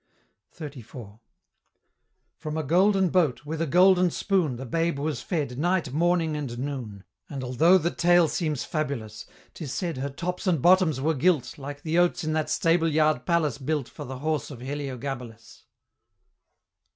XXXIV. From a golden boat, with a golden spoon, The babe was fed night, morning, and noon; And altho' the tale seems fabulous, 'Tis said her tops and bottoms were gilt, Like the oats in that Stable yard Palace built For the horse of Heliogabalus.